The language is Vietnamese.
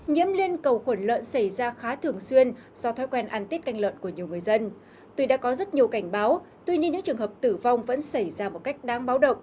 nhiễm liên cầu khuẩn lợn xảy ra khá thường xuyên do thói quen ăn tít canh lợn của nhiều người dân